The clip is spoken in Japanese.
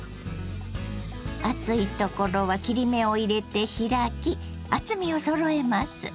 厚いところは切り目を入れて開き厚みをそろえます。